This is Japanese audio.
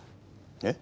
えっ？